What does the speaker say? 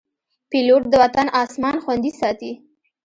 پیلوټ د وطن اسمان خوندي ساتي.